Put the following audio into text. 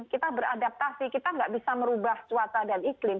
kita beradaptasi kita nggak bisa merubah cuaca dan iklim